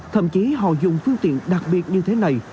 thậm chí họ dùng phương tiện đặc biệt như thế này